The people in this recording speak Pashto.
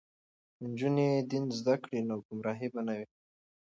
که نجونې دین زده کړي نو ګمراهي به نه وي.